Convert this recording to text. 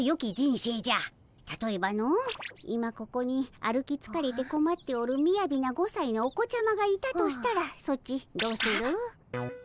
たとえばの今ここに歩きつかれてこまっておるみやびな５さいのお子ちゃまがいたとしたらソチどうする？あっ。